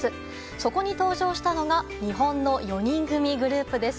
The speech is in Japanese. そこに登場したのが、日本の４人組グループです。